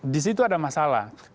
disitu ada masalah